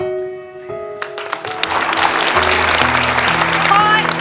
อย่าเป็นไรน่ะ